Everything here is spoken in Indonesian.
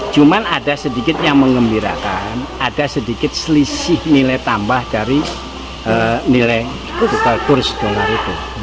cuma ada sedikit yang mengembirakan ada sedikit selisih nilai tambah dari nilai total kurs dollar itu